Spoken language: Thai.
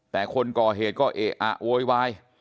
แต่คนก่อเหตุก็เอะอะโวยวาย